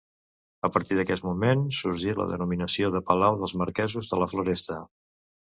A partir d'aquest moment sorgí la denominació de palau dels marquesos de la Floresta.